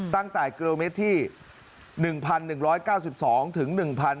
ตั้งแต่กิโลเมตรที่๑๑๙๒ถึง๑๕